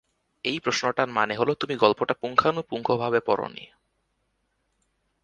এই প্রশ্নটার মানে হলো, তুমি গল্পটা পুঙ্খানুপুঙ্খভাবে পড়োনি।